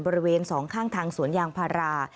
บริเวณสองข้างทางสวนยางพารา